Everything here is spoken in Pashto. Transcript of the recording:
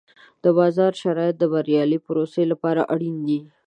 د بازار شرایط د بریالۍ پروسې لپاره اړین دي.